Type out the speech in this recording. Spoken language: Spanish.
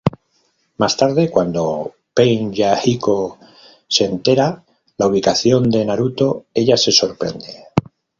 Más tarde, cuando Pain-Yahiko se entera la ubicación de Naruto ella se sorprende.